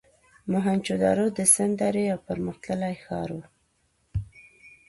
موهنچودارو د سند درې یو پرمختللی ښار و.